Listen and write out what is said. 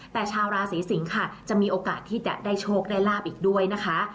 แต่ชาวราศีสิงค่ะจะมีโอกาสที่จะได้โชคได้ลาบอีกด้วยนะคะ